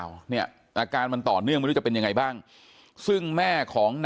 อายุ๑๐ปีนะฮะเขาบอกว่าเขาก็เห็นถูกยิงนะครับ